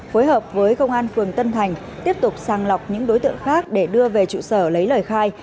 phối hợp với công an phường tân thành tiếp tục sàng lọc những đối tượng khác để đưa về trụ sở lấy lời khai